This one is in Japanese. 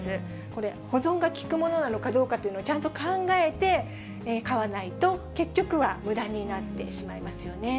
これ、保存が利くものなのかどうかというのを、ちゃんと考えて買わないと、結局はむだになってしまいますよね。